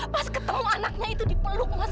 pas ketemu anaknya itu dipeluk